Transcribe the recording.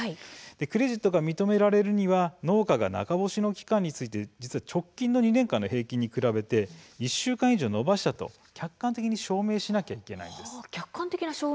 クレジットが認められるには農家が中干しの期間について直近２年間の平均に比べて１週間以上延ばしたと客観的に証明しなくてはなりません。